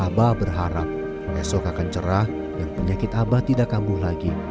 abah berharap esok akan cerah dan penyakit abah tidak kambuh lagi